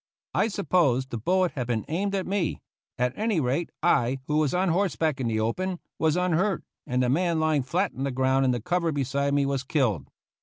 I suppose the bullet had been aimed at me ; at any rate, I, who was on horseback in the open, was unhurt, and the man lying flat on the ground in the cover beside me was killed.